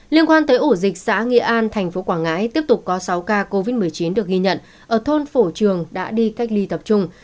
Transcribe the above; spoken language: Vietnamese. liên quan tới ổ dịch xã nghĩa an thành phố quảng ngãi tiếp tục có sáu ca covid một mươi chín được ghi nhận ở thôn phổ trường đã đi cách ly tập trung